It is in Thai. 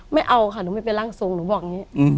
ไม่เอาค่ะหนูไม่เป็นร่างทรงหนูบอกอย่างนี้